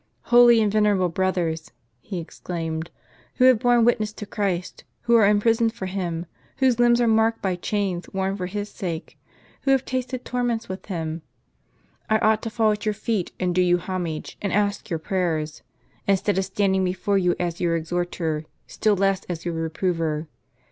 " Holy and venerable brothers," he exclaimed, "who have borne witness to Christ; who are impris oned for Him; whose limbs are marked by chains worn for His sake; who have tasted torments with Him, — I ought to fall at your feet and do you homage, and ask your prayers ; instead of standing before you as your exhorter, still less as your reprover.